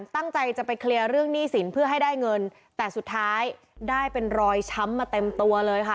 ตั้งใจจะไปเคลียร์เรื่องหนี้สินเพื่อให้ได้เงินแต่สุดท้ายได้เป็นรอยช้ำมาเต็มตัวเลยค่ะ